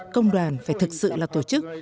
công đoàn phải thực sự là tổ chức